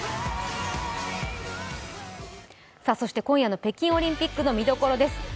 今夜の北京オリンピックの見どころです。